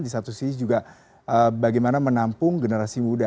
di satu sisi juga bagaimana menampung generasi muda